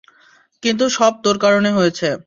কিন্তু, সব তোর কারণে হয়েছে।